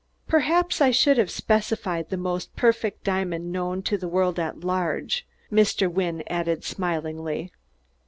"Perhaps I should have specified the most perfect diamond known to the world at large," Mr. Wynne added smilingly.